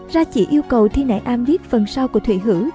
ra chỉ yêu cầu thi nại am viết phần sau của thủy hữ